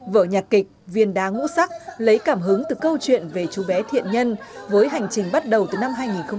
vợ nhạc kịch viên đá ngũ sắc lấy cảm hứng từ câu chuyện về chú bé thiện nhân với hành trình bắt đầu từ năm hai nghìn sáu